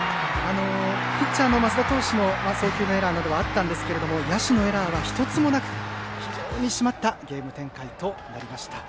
ピッチャーの升田投手の送球のエラーもあったんですが野手のエラーは１つもなく非常に締まったゲーム展開となりました。